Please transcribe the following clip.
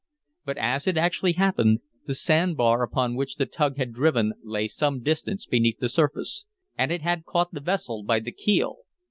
But as it actually happened, the sand bar upon which the tug had driven lay some distance beneath the surface. And it had caught the vessel by the keel.